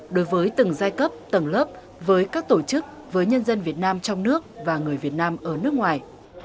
đối với từng giai cấp tầng lớp với các tổ chức với nhân dân việt nam trong nước và người việt nam ở nước ngoài